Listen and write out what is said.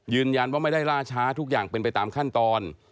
ยืนยันว่าไม่ได้ล่าช้าทุกอย่างเป็นไปตามขั้นตอน